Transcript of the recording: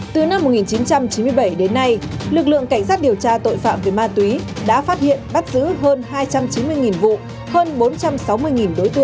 từ năm một nghìn chín trăm chín mươi bảy đến nay lực lượng cảnh sát điều tra tội phạm về ma túy đã phát hiện bắt giữ hơn hai trăm chín mươi vụ hơn bốn trăm sáu mươi đối tượng